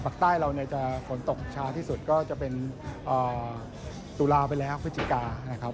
ปากใต้เราจะฝนตกช้าที่สุดก็จะเป็นตุลาไปแล้วพฤติกา